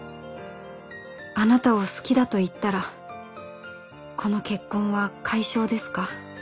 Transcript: あなたを好きだと言ったらこの結婚は解消ですか？